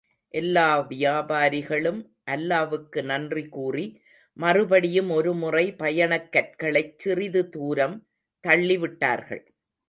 எல்லா வியாபாரிகளும் அல்லாவுக்கு நன்றி கூறி மறுபடியும் ஒருமுறை பயணக் கற்களைச் சிறிது தூரம் தள்ளிவிட்டார்கள்.